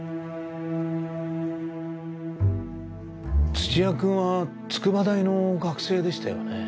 土谷君は筑波大の学生でしたよね？